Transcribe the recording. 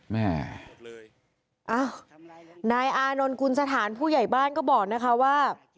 นะใยอานน์กูลสถานผู้ใหญ่บ้านก็บอกว่า